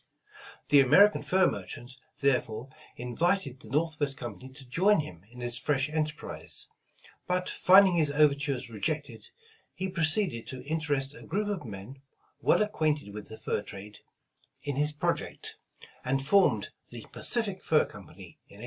The American fur merchant, therefore, invited the Northwest Com pany to join him in this fresh enterprise, but finding his overtures rejected, he proceeded to interest a group of men, well acquainted with the fur trade, in his project, and formed the Pacific Fur Company in 1810.